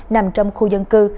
nằm trong khu dân cư